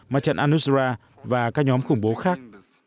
ma trận al nusra và các nhóm khủng bố khác